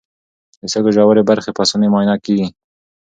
د سږو ژورې برخې په اسانۍ معاینه کېږي.